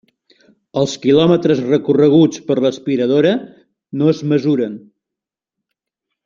Els quilòmetres recorreguts per l'aspiradora no es mesuren.